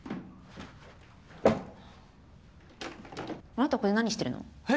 あなたここで何してるの？え？